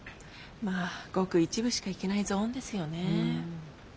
まあごく一部しか行けないゾーンですよね。